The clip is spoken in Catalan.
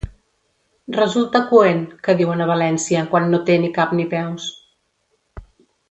Resulta coent, que diuen a València, quan no té ni cap ni peus.